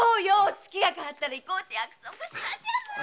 月が代わったら行こうって約束したじゃない。